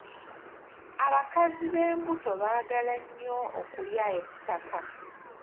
Abakazi b'embuto baagala nnyo okulya ettaka.